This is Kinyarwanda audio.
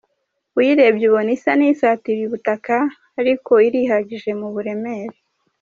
Uyirebye ubona isa n’isatiriye ubutaka ariko irihagije mu buremere.